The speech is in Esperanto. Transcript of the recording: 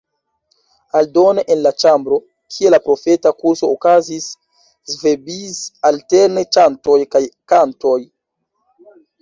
Aldone el la ĉambro, kie la profeta kurso okazis, ŝvebis alterne ĉantoj kaj kantoj.